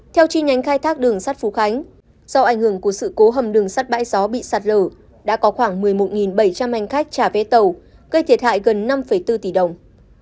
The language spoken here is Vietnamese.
theo chi nhánh khai thác đường sắt phú khánh do ảnh hưởng của sự cố hầm đường sắt bãi gió bị sạt lở đã có khoảng một mươi một bảy trăm linh hành khách trả vé tàu gây thiệt hại gần năm bốn tỷ đồng